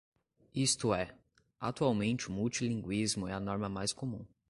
Isto é, atualmente o multilinguismo é a norma mais comum.